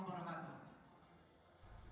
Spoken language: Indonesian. dan sekolah sekolah yang berharga